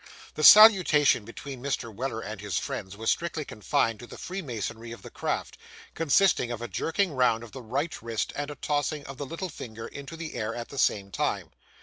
The salutation between Mr. Weller and his friends was strictly confined to the freemasonry of the craft; consisting of a jerking round of the right wrist, and a tossing of the little finger into the air at the same time.